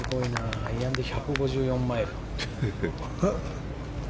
アイアンで１５４マイル。